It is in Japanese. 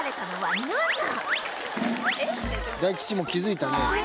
「大吉も気づいたね」